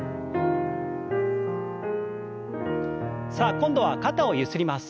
さあ今度は肩をゆすります。